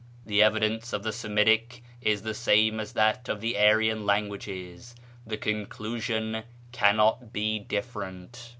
The evidence of the Semitic is the same as that of the Aryan languages: the conclusion cannot be different....